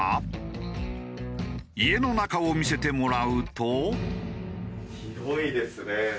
家の中を見せてもらうと。